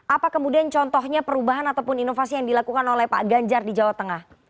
apa kemudian contohnya perubahan ataupun inovasi yang dilakukan oleh pak ganjar di jawa tengah